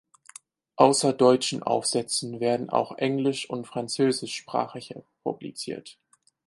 Außer deutschen Aufsätzen werden auch englisch- und französischsprachige publiziert.